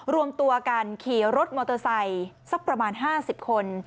รวมตัวกันขี่รถมอเตอร์ไซค์สักประมาณ๕๐คน